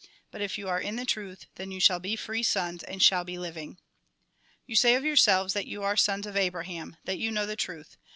But if you are in the truth, then you shall be free sons, and shall be living. " You say of yourselves that you are sons of Abraham, that you know the truth.